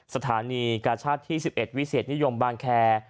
สถานีกาชาติที่๑๑วิเศษนิยมบางแคร์